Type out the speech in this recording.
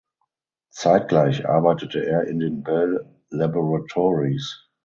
Zeitgleich arbeitete er in den Bell Laboratories.